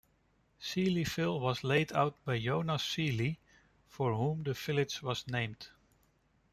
Seelyville was laid out by Jonas Seely, for whom the village was named.